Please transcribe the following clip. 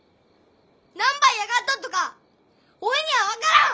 何ば嫌がっとっとかおいには分からん！